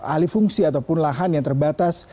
alih fungsi ataupun lahan yang terbatas